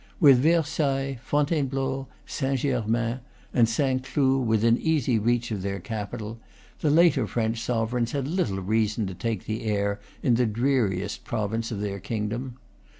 With Versailles, Fon tainebleau, Saint Germain, and Saint Cloud within easy reach of their capital, the later French sovereigns had little reason to take the air in the dreariest province of their kingdom.